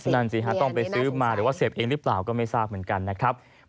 นั่นสิฮะต้องไปซื้อมาหรือว่าเสพเองหรือเปล่าก็ไม่ทราบเหมือนกันนะครับ